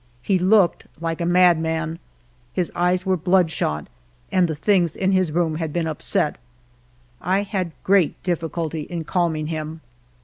He looked like a madman ; his eyes were bloodshot, and the things in his room had been upset. I had great difficulty in calming him.